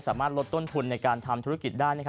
สามารถลดต้นทุนในการทำธุรกิจได้